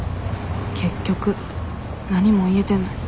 結局何も言えてない。